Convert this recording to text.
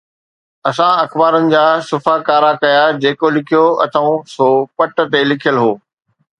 اسان اخبارن جا صفحا ڪارا ڪيا، جيڪي لکيو اٿئون سو ڀت تي لکيل هو.